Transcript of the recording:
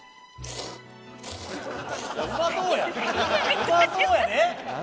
「うまそうやん！